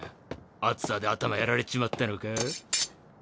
暑さで頭やられちまったのか？